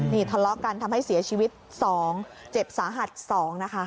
นี่ทะเลาะกันทำให้เสียชีวิต๒เจ็บสาหัส๒นะคะ